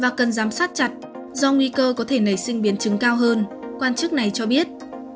và cần giám sát chặt do nguy cơ có thể nảy sinh biến chứng cao hơn quan chức này cho biết